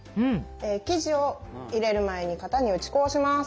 生地を入れる前に型に打ち粉をします。